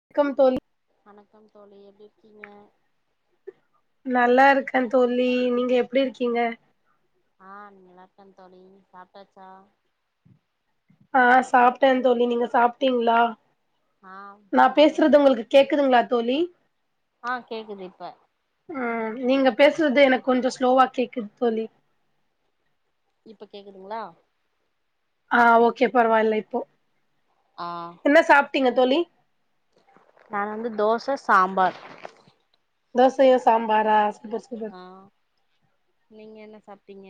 வணக்கம் தோழி வணக்கம் தோழி எப்டி இருக்கீங்க நல்லாயிருக்கே தோழி நீங்க எப்டியிருக்கீங்க ஆஹ் நல்லாயிருக்கேன் தோழி சாப்டாச்சா ஆஹ் சாப்டே தோழி நீங்க சாப்டீங்களா ஆ நா பேசுறது உங்களுக்கு கேக்குதுங்களா தோழி ஆஹ் கேக்குது இப்ப ம் நீங்க பேசுறது எனக்கு கொஞ்சோம் ஸ்லோவா கேக்குது தோலி இப்ப கேக்குதுங்களா ஆஹ் ஓகே பரவாயில்ல இப்போ ஆ என்ன சாப் டீங்க தோழி நா வந்து தோச சாம்பார் தோசையும் சாம்பாரா பஸ்டு பர்த் ஆ நீங்க என்ன சாப்டீங்க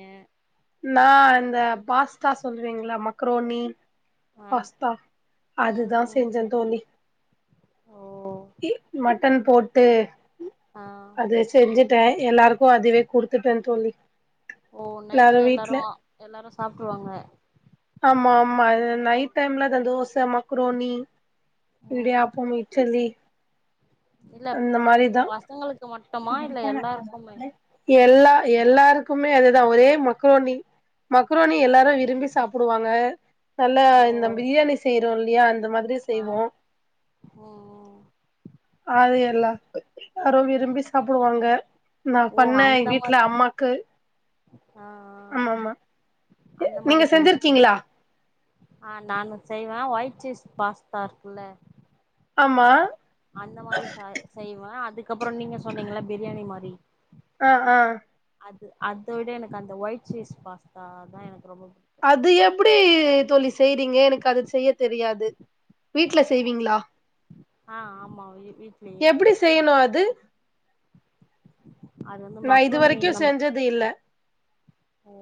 நான் இந்த பாஸ்தா சொல்லுவீங்கள மக்ரோனி ஆ பாஸ்தா ம் அதுதான் ம் செஞ்சேன் தோழி ஓ இ மட்டன் போட்டு ஆ அது செஞ்சுட்டு டன் எல்லாருக்கும் அதுவே குடுத்துட்டேன்னு தோழி ஓ எல்லாரு நைட்ல வீட்ல எல்லாரும் எல்லாரும் சாப்புடுவாங்க ஆமா ஆமா நைட் டைம்ல அந்த தோச மக்ரோனி ம் இடியாப்பம் இட்டலி இல்ல பசங்களுக்கு மட்டு எல்ல எ எல்லாருக்குமே அதுதான் ஒரே மக்கோணி மக்ரோணி எல்லாரும் விரும்பி சாப்பிடுவாங்க நல்லா ஓ இந்த பிரியாணி செய்யற சொல்லிய அந் அது மாதிரி ஆ செய்வோம் ம் ம் அது எல்லாம் ஆரோ விரும்பி சாப்புடுவாங்க நான் ஓ பண்ணேன் எ அந்த வீட்டுல மாரி அம்மாக்கு ஆ ஆ ஆமாமா அந்த மாதிரி செஞ்சுடிங்க ஆஹ் நானும் செய்வேன் ஒயிட் சீஸ் பாஸ்தா இருக்குல்ல ஆமா அதுக்கப்புறம் நீங்க சொன்னீங்கள பிரியாணி மாரி ஆஹ் ஆஹ் அது அதை விட எனக்கு அந்த ஒயிட் சீஸ் பாஸ்தா தான் எனக்கு ரொம்ப புடிக்கு அது எப்படி தோழி செய்றீங்க எனக்கு அது செய்ய தெரியாது வீட்ல செய்வீங்களா ஆஹ் ஆமா வீட்லயே எப்படி செய்யணும் அது அது வந்து நான் இது மக்ருனி வரைக்கும் நம்ம செஞ்சது இல்ல ஓ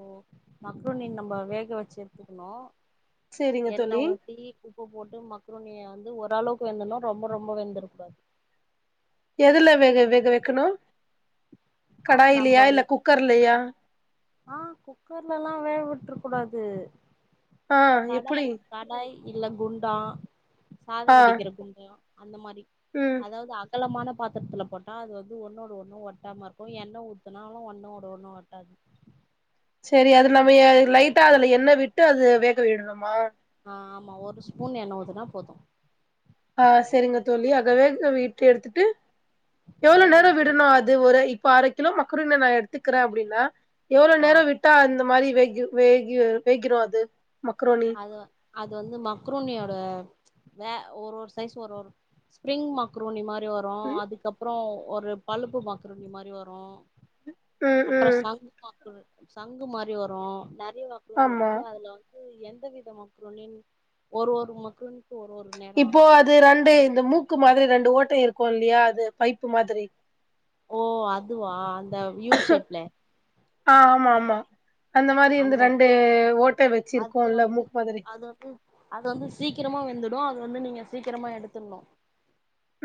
மக்ரோணி நம்ம வேக வச்சு எடுத்துக்கணும் சேரிங்க தோழி எண்ணெய் ஊத்தி உப்பு போட்டு மக்ரோனிய வே ஓரளவுக்கு வெந்தன ரொம்ப ரொம்ப வெந்துருக்காது எதுல வேக வேக வக்கணு ஆ கடாயிலயா இல்ல கூக்கர்லா ஆஹ் குக்கர்ல்லா வேக விட்டுரு கூடாது ஆஹ் எப்படி கடாய் கடாய் இல்ல குண்டா சாதம் வெடிக்கிற குஞ்சம் [inaudible] அந்த மாதிரி ம் அதாவது அகலமான பாத்ரத்தல பண்ணா அது வந்து ஒன்னோடு ஒன்னு ஒட்டாம இருக்கும் எண்ணெய் ஊத்தனாலு ஒன்னுடு ஒன்னு ஒட்டாது சரி அது நம்ம லைட்டா அதுல எண்ணெய விட்டு அது வேக்க விடணுமா ஆ ஆமா ஒரு ஸ்பூன் எண்ண ஊத்துனா போதும் ஆஹ் சரிங்க தோல்லி அகவே வீட்டு எடுத்துட்டு எவ்வளவு வேக நேரம் விட்டு விடனும் அது ஒரு - - இப்போ அரை கிலோ மக்ருண நான் எடுத்துக்கிறேன் அப்படின்னா எவ்வளோ ஆ நேரம் விட்டா அந்த மாதிரி ககிரும் அது [unintelligible] மக்கரோனி அது அது வந்து மக்ரோனியோட வே ஒரு ஒரு சைஸ் ஒரு ஒரு ஸ்பிரரிங் மக்ரூனி மாதிரி வரும் ம் அதுக்கப்புறம் ஒரு பழுப்பு மக்கரோனி மாதிரி வரும் ம் அப்புறம் ம். சங் மக்கரோ சங்கு மாதிரி வரும் ந வும் ஆமா இருக்கு அததுால [unintelligible] என்ன் [unintelligible] வித -வித மக்கரோனின் ஒரு ஒரு மக்கரோனி இப்போ அது ரெண்டு இந்த மூக்கு மாதிரி ரெண்டு ஓட்டம் இருக்கும் ா [unintelligible] அது பைப்பு மாதிரி ஓ அதுவா இந்த வியூ ஷேப்ல ஆஹ் ஆமா ஆமா அந்த மாதிரி இருந்து ரெண்டு ஓட்டை அது வச்சிருக்கோம் இல்ல வந்து மூக்கு மாதிரி அது வந்து அது வந்து சீக்கிரமா வெந்துடும் அது வந்து நீங்க சீக்கிரமா எடுத்துண்ணும்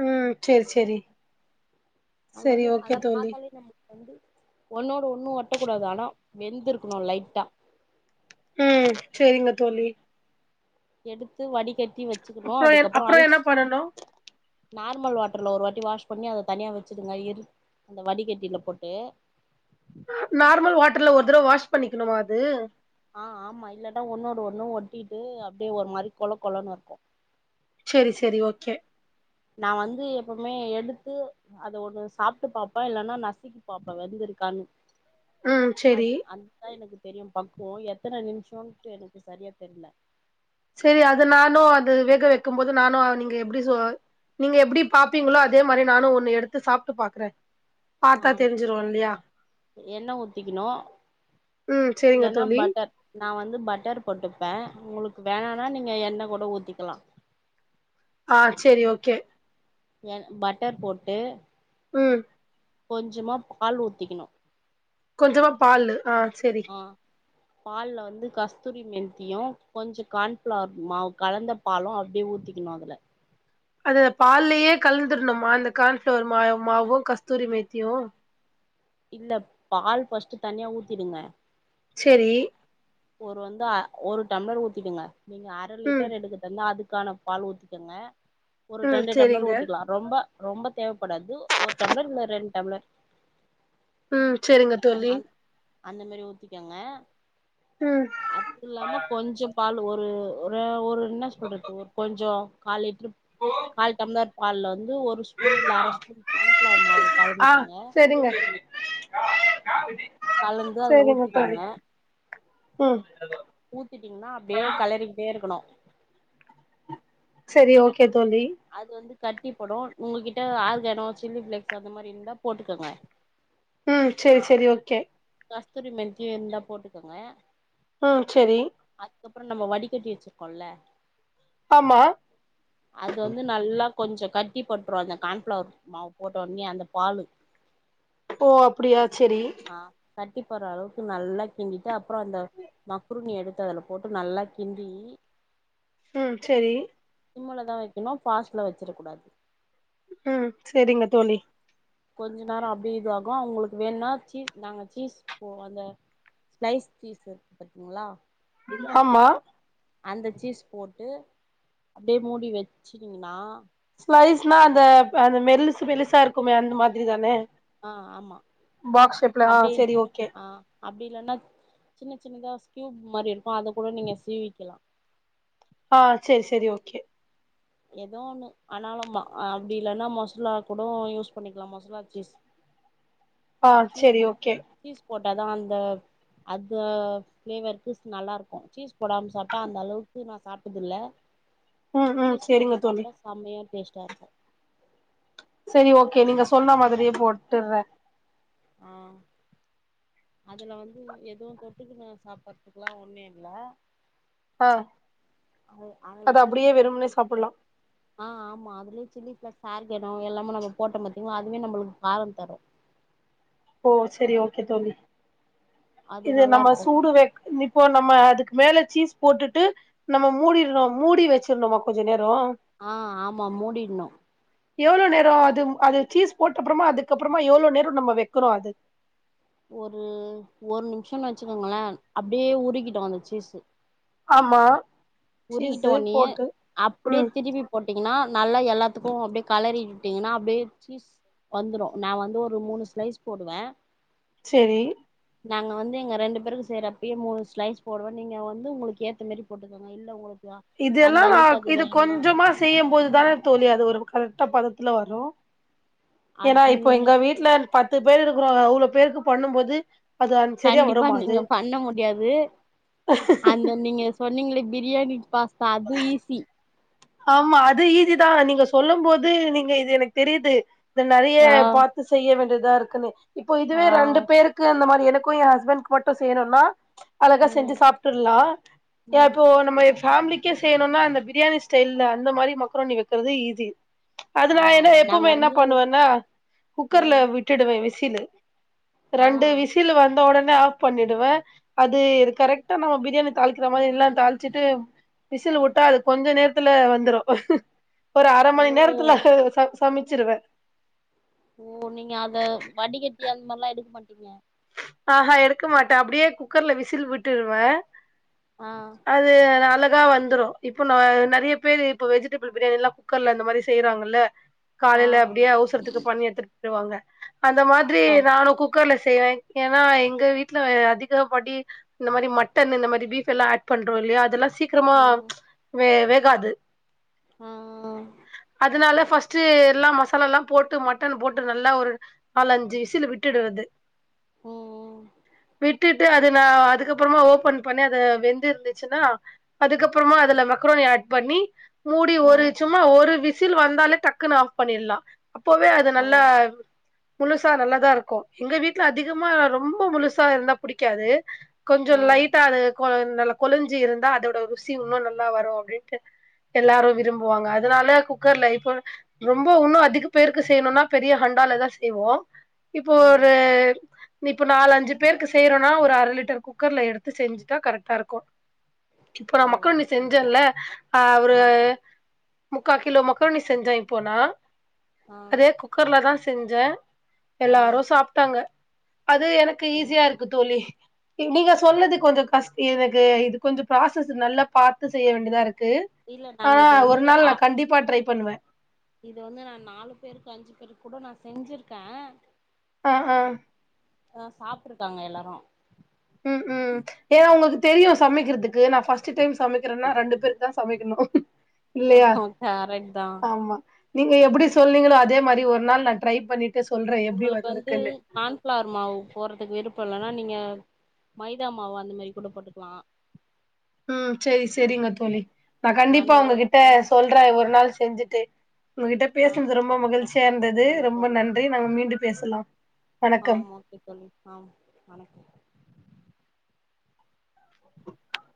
உம் சரி சரி அ வந்து அத பார்த்தாலே நம்ம வந்து ஒன்னோட ஒண்ணும் ஓட்டக்கூடாது ஆனா வெந்து இருக்கணும் லைட்டா ஹம் சரிங்க தோழி எடுத்து வடிகட் அப்றோம் -அப்றோம் என்ன பண்ணணு நார்மல் வாட்டர்ல ஒரு வாட்டி வாஷ் பண்ணி அத தனியாக வச்சிடுங்க இரு அந்த வடிகட்டியில போட்டு நார்மல் வாட்டர்ல ஒரு தடவ வாஷ் பண்ணிக்கணுமா அது ஆஹ் ஆமா இல்லட்டா ஒன்னோட ஒண்ணு ஒட்டிட்டு அப்டே ஒரு மாரி கொல கொலன்னு இருக்கு செரி செரி ஓக்கே நா வந்து எப்பவுமே எடுத்து அத ஒண்ணு சாப்ட்டு பாப்பே இல்லைன்னா நசுக்கி பாப்பே வெந்திருக்கான்னு ம் சேரி அது-அந்தா எனக்கு தெரிய பக்குவோ எத்தன நிமிஷோன்ட்டு எனக்கு சரியா தெரியல செரி அத நானு அது வேக வெக்கும் போது நானு நீங்க எப்டி சோ நீங்க எப்டி பாப்பீங்களோ அதே மாரி நானு ஒன்னு எடுத்து சாப்புட்டு பாக்குறே பாத்தா ஆம் தெரிஞ்சிரு இல்லையா என்ன ஊத்திக்கிணு ம் சேரிங்க இல்லன்னா தோழி பட்டர் நா வந்து பட்டர் போட்டுப்பே உங்ளுக் வேணனா நீங்க எண்ண கூட ஊத்திக்கலா ஆஹ் செரி ஓகே என் பட்டர் போட்டு உம் கொஞ்சமா பால் ஊத்திக்கிணும் கொஞ்சமா பால் ஆஹ் செரி பால்ல வந்து கஸ்தூரி மேத்தியும் கொஞ்ச கான்பிளவர் மாவு கலந்த பாலும் அப்டியே ஊத்திக்கிணு அதுல அது பால்லேயே கலந்துடணுமா அந்த கான்பிளவர் மா-மாவு கஸ்தூரி மேத்தியு இல்ல பால் ஃபஸ்ட் தனியா ஊத்திடுங்க செரி ஒரு வந்து ஒரு டம்ளர் ஊத்திங்கங்க நீங்க அரை ம் லிட்டர் எடுக்கறதந்தா அதுக் க்கான பால் ஊத்துக்கங்க ஒரு ம் ரெண்டுடம்ளர் செரிங்க ஊத்திக்கிலா ரொம்ப ரொம்ப தேவப்படாது ஒரு டம்ளர் இல்ல ரெண்டு டம்ளர் உம் செரிங்க தோழி அந் அந்த மேரி ஊத்திக்கங்க ம் அது இல்லாம கொஞ்சம் பால் ஒரு ஒரு ஒர ஒரு என்ன சொல்லரது ஒரு கொஞ்சோ காலே கால் டம்ளர் பால்ல வந் ந்து ஒரு ஸ்பூன் இல்ல அரை ஸ்பூன் கான்பிளவர் மாவு ஆ கலந்துகங்க செரிங்க செரிங்க தோழி உம் ஊத்திட்டீங்கன்னா அப்படியே கலருயிட்டே இருக்கணும் செரி ஓகே கேதோழி கட்டிப்படும் உங்ககிட்ட ஆர்கானோ சில்லி பிளேக்ஸ் அந்த மாரி இருந்தா போட்டுக்கோங்க ம் செரி சரி ஓகே கஸ்தூரி மேதியும் இருந்தா போட்டுக்கோங்க உம் செரி அதுக்கப்புறம் நம்ம வடிக்கட்டி வச்சுருக்கோம்ல ஆமா அது வந்து நல்லா கொஞ்சம் கட்டி பட்ரும் அந்த கான்ஃபிளவர் மாவு போட்ட உடனே அந்த பால்லு ஓ அப்படியா செரி கட்டிப்படுற அளவுக்கு நல்லா கிண்டிட்டு அப்புறம் அந்த மக்குருனிய எடுத்து அதுல போட்டு நல்லா கிண்டி உம் செரி சிம்மள தான் வைக்கணும் பாஸ்ல வச்சிட கூடாது ம் செரிங்க தோழி கொஞ்ச நேரம் அப்படியே இது ஆகும் அவங்களுக்கு வேணும்னா சீஸ் நாங்க சீஸ் போம் அந் ஸ்லைஸ் சீஸ் இருக்கு பாத்தீங்களா ஆமா அந்த சீஸ் போட்டு அப்படியே மூடி வச்சினீங்கன்னா ஸ்லைஸ்னா அந்த அந்த மெல் மெலிசா இருக்குமே அந்த மாதிரி தானே ஆஹ் ஆமா பாக்ஸ் ஷேப்ல ஆ அப்படியே செரி ஓகே ஆஹ் அப்படி இல்லன்னா சின்ன ச சின்னதா ஸ்யூப் மாரி இருக்கும் அத கூட நீங்க சீவிக்கலாம் ஆஹ் செரி செரி ஓகே ஏதோ ஒண்ணு ஆனாலும் அப்படி இல்லன்னா மொசரல கூட யூஸ் பண்ணிக்கலாம் மொசரல சீஸ் ஆஹ் செரி ஓகே போட்டாதான் அந்த அது ஃப்ளேவருக்கு நல்லருக்கும் சீஸ் போடாம சாப்புட்டா அந்த அளவுக்கு நான் சாப்டதுல்ல ம் ம் சீஸ் செரிங்க போட்டு தோழி சாப்ட்டா செம்ய டெஷ்ட இருக்கும் சரி ஓகே நீங்க சொன்ன மாதிரியே போட்டறேன் ஆஹ் அதுல வந்து எதுவும் தொட்டுக்குன் சாப்படுறதுக்குெல்லாம் ஒண்ணும் இல்ல ஆஹ் சில்லி பிக் சாப்புட்லா ஆஹ் ஆமா அதுலயே சில்லி பிளேஸ் ஆர்கானோ எல்லாம நம்ம போட்ட மாத்திங்கனா அதுமே நம்மளுக்கு காலம் தரும் ஓ சரி ஓகே தோழி அது இது நல்லா நம்ம இருக்கு சூடு வெ இப்போ நம்ம அதுக்கு மேல சீஸ் போட்டுட்டு நம்ம மூடிணும் மூடி வச்சிருணுமா கொஞ்சம் நேரம் ஆஹ் ஆமா மூடிடணும் எவ்ளோ நேரம் அது அது சீஸ் போட்ட அப்பறமா அதுக்கப்பறமா எவ்ளோ நேரம் நம்ம வைக்கிரோம் அது ஒரு ஒரு நிமிஷம்னு வச்சுக்கோங்களேன் அப்டியே உறுகிடும் அந்த சீஸ் ஆமா உருகிட்ட சீஸு ஒடனேய நீ போட்டு அப்டியே ம் திருப்பி போட்டு ஏன்னா நல்லா எல்லாத்துக்கும் அப்டியே கலறிட்டுட்டீங்கன்னா அப்டியே சீஸ் வந்துடும் நான வந்து ஒரு மூணு ஸ்லைஸ் போடுவேன் செரி நாங்க வந்து எங்க ரெண்டு பேருக்கு செய்றப்பயே மூணு ஸ்லைஸ் போடுவேன் நீங்க வந்து உங்களுக்கு ஏத்த மாரி போட்டுகோங்க இல்ல உங்களுக்கு அந்த இதெல்லாம் நான அளவுக்கு அது இது வேணா கொஞ்சமா செய்யும் போதுதானே தோலி அது ஒரு கரெக்டா பதத்த இல்லவரும் ஏன்னா அது இப்போ எங்க எனக்கு வீட்ல பத்து பேரு அவ்ளோ பேருக்கு பண்ணும் போது அது அந் சரியா கண்டிப்பா வருமா அது நீங்க பண்ண முடியாது அந்த நீங்க சொன்னீங்கள பிரியாணி பாஸ்தா அது ஈஸி ஆமா அது ஈசிதான் நீங்க சொல்லும் போது நீங்க இது எனக்கு தெரியுது இத நெறைய ஆ பார்த்து செய்ய வேண்டது இதான் இருக்குனு இப்போ இதுவே ஆ ரெண்டு பேருக்கு இந்த மாரி எனக்கும் என் ஹஸ்பண்டுக்கு மட்டும் செய்யணும்னா அழகா ம் செஞ்சு சாப்ட்ருலாம் ம் இப்போ நம்ம ஃபேமிலி இன்னிக்கே செய்யணுனா இந்த பிரியாணி ஸ்டைல்ல அந்த மாரி மக்ரோணி வைக்கிறது ஈஸி அது நான ஆமா என்ன ஆமா நாங்க எப்பவுமே என்ன வந்து பண்ணுவேன்னா குக்கர்ல ம் விட்டுடுவேன் விசில் [inaudible] ஆ ரெண்டு விசில் வந்த உட ஆஃப் பண்ணிடுவேன் அது கரெக்டா நம்ம பிரியாணி தாளிக்கிற மாரி எல்லா தாளிச்சிட்டு விசில் வுட்டா அது கொஞ்சம் நேரத்து நேரத்துல வெந்துரும் ஒரு அர ஓ மணி நேரத்துல சமச்சிருவன் [unintelligible] ஆஹா எடுக்க மாட்டேன் அப்டியே குக்கர்ல விசில் விட்டுருவேன் ஆ அது நல்லா அழகா வந்துரும் இப்போ ந நெறைய பேரு இப்ப வெஜிடபிள் பிரியாணிலாம் குக்கர்ல இந்த மாரி செய்றாங்கல்ல ஆ காலயில அப்டியே அவசரத்துக்கு பண்ணி எடுத்து செரிவாங்க அந்த மாரி ஆ நானு குக்கர்ல செய்வேன் ஏன்னா எங்க வீட்டுல அதிகப்படி இந்த மாரி மட்டன் இந்த மாரி பீஃப்ல்லாம் ஆட் பண்றோம் இல்லயா அதெல்லாம் சீக்கிரமா ம் வே க்காது ஆ அதனால ஃபர்ஸ்ட் எல்லாம் மசாலாலம் போட்டு மட்டன் போட்டு நல்லா ஒரு நாலு அஞ்சு விசில் விட்டுடுறது ம் விட் விட்டுட்டு அது நான் அதுக்கப்பறமா ஓபன் பண்ணி அத வெந்துருந்துச்சுன்னா அதுக்கப்பறமா அதுல வக்ரோனி அட் பண்ணி மூடி ஒரு ம் சும்மா ஒரு வி சில் வந்தாலே டக்குன்னு ஆஃப் பண்ணிலாம் அப்போவே அது ஓ நல்லா முழுசா நல்லாதா இருக்கும் எங்க வீட்டுல அதிக திகமா ரொம்ப முழுசா இருந்தா புடிக்காது ஆ கொஞ்சம் லைட் [inaudible] கொ நல்ல கொழஞ்சு இருந்தா அதோட ருசி இன்னும் நல்லா வரும் அப்டின்ட்டு எல்லாரும் விரும்புவாங்க அதனால குக்கர்ல இப்போ ரொம்ப இன்னும் அதிக பேருக்கு செய்யணும்னா பெரிய ஹண்டாலதான் செய்வோம் இப்போ ஆ ஒரு நீ இப்ப நாலு அஞ்சு பேருக்கு செய்யறோம்னா ஒரு அரை லிட்டர் குக்கர்ல எடுத்து செஞ்சுட்டா கரெக்டா இருக்கும் இப்போ ஓ நான மக்கோண்ணி சரி செஞ்சேன்ல ஆ ஒரு முக்கால் கிலோ மக்கோண்ணி செஞ்சேன் இப்போனா ஆ அதே குக்கர்ல தான் செஞ்ச [inaudible] ஆ எல்லாரும் சாப்பட்டாங்க அது எனக்கு ஓ ஈஸியா இருக்கு தோழி நீங்க சொன்னது கொஞ்சம் கஷ்ட எனக்கு இது கொஞ்சம் ப்ராசஸ் நல்லா பார்த்து செய்ய வேண்டியதா இருக்கு இல்ல க்கு நான் இது ஆ ஒரு நாள் நான் கண்டிப்பா ட்ரை பண்ணுவேன் இத வந்து நான் நாலு பேருக்கு அஞ்சு பேருக்கு கூட நான் செஞ்சிருக்கேன் ஆ ஆ அ சாப்பிட்டுருக்காங்க எல்லாரும் ம் ம் ஏன்னா உங்களுக்கு தெரியும் சமைக்கிறதுக்கு நான் ஃபஸ்ட்ட் டைம் சமைக்கிறேன்னா ரெண்டு பேருக்கு தான் சமைக்கணும் ஆஹ கரட் தான் நீங்க எப்டி சொன்னீங்களோ அதே மாரி ஒரு நாள் நான் ட்ரை பண்ணி உங்களுக்கு வந்து கான்ஃபிளர் மாவு போறதுக்கு விருப்பம் இல்லன்னா நீங்க மைதா மாவா அந்த மாரி கூட போட்டுக்கலாம் ம் சேரி சேரிங்க தோழி நான் கண்டிப்பா நானு ஒரு ஒரு உங்ககிட்ட டைம் சொல்றேன் ஒரு நாள் செஞ்சுட்டு உங்ககிட்ட ஆ பேசினது ரொம்ப கண்டிப்பா மகிழ்ச்சியா கண்டிப்பா இருந்தது சொல்லுங்க ரொம்ப தோழி நன்றி நம்ம மீண்டும் பேசலாம் ஆ வணக்கம் ஓகே தோழி ஆ வணக்கம் [inaudible]